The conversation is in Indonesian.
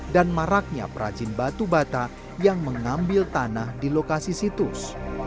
dan maraknya perajin batu bata yang mengambil tanah di lokasi situs